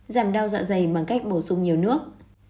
giảm đau dạ dày bằng cách bổ sung nhiều nước